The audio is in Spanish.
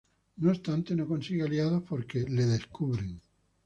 No obstante, no consigue aliados porque le descubren.